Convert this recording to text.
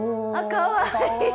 かわいい。